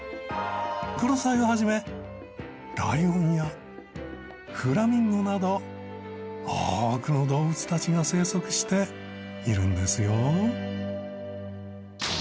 クロサイを始めライオンやフラミンゴなど多くの動物たちが生息しているんですよ。